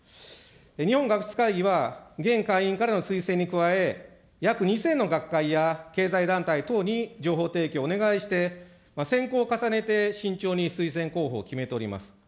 日本学術会議は、現会員からの推薦に加え、約２０００の学会や経済団体等に情報提供をお願いして、選考を重ねて慎重に推薦候補を決めております。